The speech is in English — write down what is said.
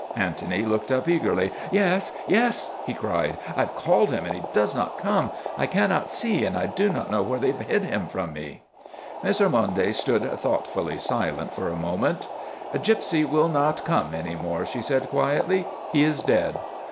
Antony looked up eagerly. " Yes, yes !" he cried, " I have called him and he does not come. I can not see and I do not know where they have hid him from me." Miss Ormonde stood thoughtfully silent for a moment. " Gypsy will not come any more," she said quietly. " He is dead."